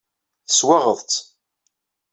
Teswaɣeḍ-tt.